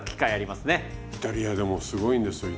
イタリアでもすごいんですよ。